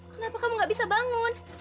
kenapa kamu gak bisa bangun